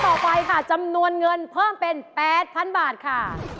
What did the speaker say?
ต่อไปค่ะจำนวนเงินเพิ่มเป็น๘๐๐๐บาทค่ะ